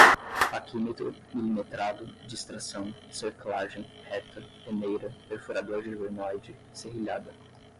paquímetro, milimetrado, distração, cerclagem, reta, peneira, perfurador de glenoide, serrilhada